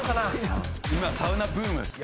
今サウナブーム。